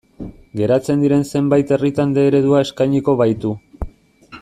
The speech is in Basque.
Geratzen diren zenbait herritan D eredua eskainiko baitu.